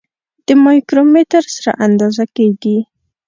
د مایکرومتر سره اندازه کیږي.